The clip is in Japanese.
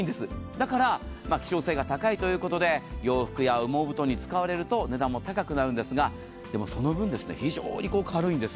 だから希少性が高いということで洋服や羽毛布団に使われると値段も高くなるんですがでもその分、非常に軽いんです。